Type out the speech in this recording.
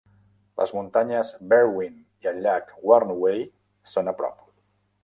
Les muntanyes Berwyn i el llac Vyrnwy són a prop.